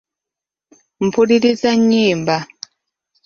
Mpuliriza nnyimba.